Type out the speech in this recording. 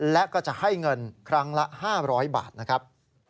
และก็จะให้เงินครั้งละ๕๐๐บาทนะครับ